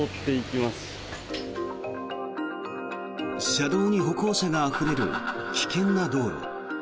車道に歩行者があふれる危険な道路。